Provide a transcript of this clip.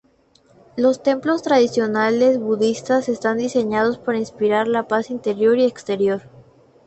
Los templos tradicionales budistas están diseñados para inspirar la paz interior y exterior.